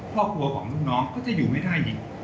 ครอบครัวของลูกน้องก็จะอยู่ไม่ได้นี่